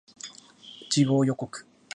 次号予告